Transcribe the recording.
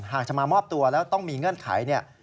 หากจะมามอบตัวแล้วต้องมีเงื่อนไขเนี่ย